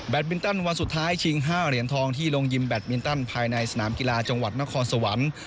มินตันวันสุดท้ายชิง๕เหรียญทองที่โรงยิมแบตมินตันภายในสนามกีฬาจังหวัดนครสวรรค์